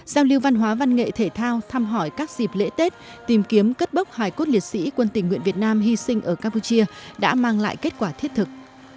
giao lưu văn hóa văn nghệ thể thao thăm hỏi các dịp lễ tết tìm kiếm cất bốc hải cốt liệt sĩ quân tình nguyện việt nam hy sinh ở campuchia đã mang lại kết quả thiết thực